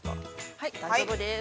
◆はい、大丈夫です。